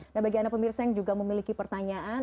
nah bagi anda pemirsa yang juga memiliki pertanyaan